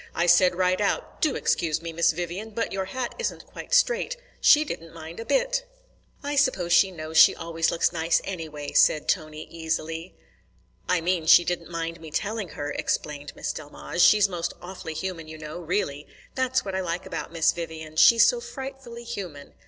I said right out: 'Do excuse me, Miss Vivian, but your hat isn't quite straight.' She didn't mind a bit." "I suppose she knows she always looks nice anyway," said Tony easily. "I mean she didn't mind me telling her," explained Miss Delmege. "She's most awfully human, you know, really. That's what I like about Miss Vivian. She's so frightfully human."